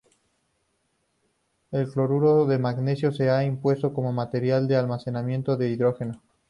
El cloruro de magnesio se ha impuesto como material de almacenamiento de hidrógeno.